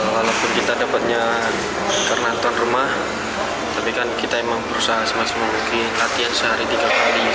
walaupun kita dapatnya karena tuan rumah tapi kan kita emang berusaha masih memiliki latihan sehari tiga kali